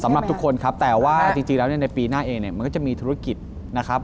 สำหรับทุกคนครับแต่ว่าจริงแล้วเนี่ยในปีหน้าเองเนี่ยมันก็จะมีธุรกิจนะครับ